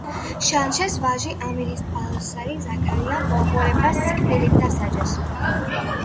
შანშეს ვაჟი ამირსპასალარი ზაქარია მონღოლებმა სიკვდილით დასაჯეს.